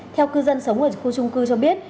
theo cư dân sống ở khu trung cư cho biết